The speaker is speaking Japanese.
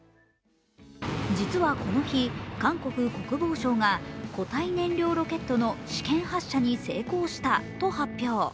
実はこの日、韓国国防省が固体燃料ロケットの試験発射に成功したと発表。